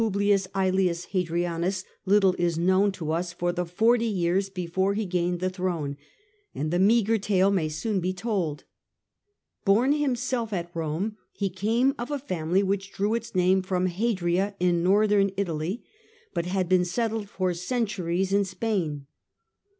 life of ;KJjus Hadrianus, little is known to us for the forty years before he gained the throne, and the meagre tale may be soon told. Born himself at Rome, he came of a family which drew its name from Hadria in Northern Italy, but had been settled for centuries in Spain.